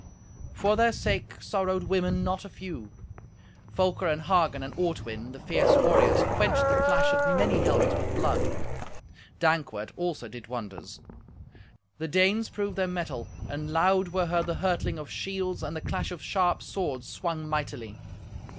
For their sake sorrowed women not a few. Folker and Hagen and Ortwin, the fierce warriors, quenched the flash of many helmets with blood. Dankwart, also, did wonders. The Danes proved their mettle, and loud were heard the hurtling of shields and the clash of sharp swords swung mightily.